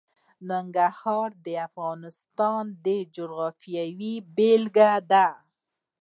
ننګرهار د افغانستان د جغرافیې بېلګه ده.